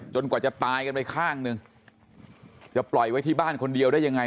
กว่าจะตายกันไปข้างหนึ่งจะปล่อยไว้ที่บ้านคนเดียวได้ยังไง